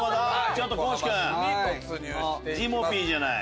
ちょっと地君ジモピーじゃない。